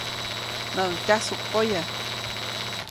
Näʼkuŋ tyajsuʼk poya.